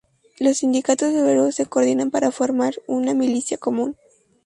Los sindicatos obreros se coordinan para formar una milicia común.